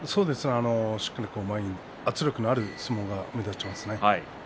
しっかりと、圧力のある相撲が目立っていますね。